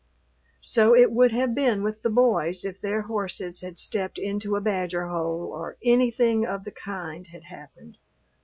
So it would have been with the boys if their horses had stepped into a badger hole or anything of the kind had happened.